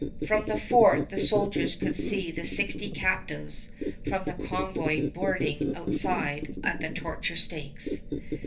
From the fort the soldiers could see the sixty captives from the convoy burning outside at the torture stakes.